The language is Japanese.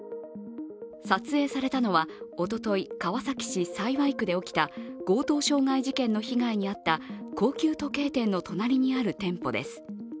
撮影されたのは、おととい川崎市幸区で起きた強盗傷害事件の被害に遭った、高級時計店の隣にある店舗です。